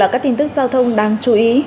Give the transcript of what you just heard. các tin tức giao thông đáng chú ý